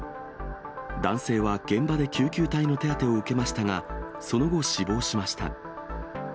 男性は現場で救急隊の手当てを受けましたが、その後、死亡しました。